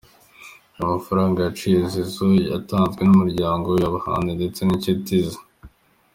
Aya amafaranga yaciwe Zizou, yatanzwe n’umuryango we, abahanzi ndetse n’inshuti ze.